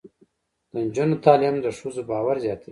د نجونو تعلیم د ښځو باور زیاتوي.